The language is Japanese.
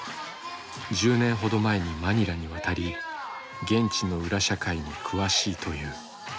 １０年ほど前にマニラに渡り現地の裏社会に詳しいという。